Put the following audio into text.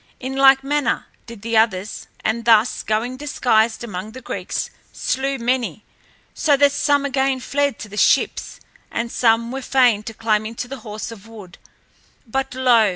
In like manner did the others, and thus, going disguised among the Greeks, slew many, so that some again fled to the ships and some were fain to climb into the horse of wood. But lo!